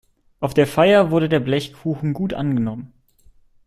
Auf der Feier wurde der Blechkuchen gut angenommen.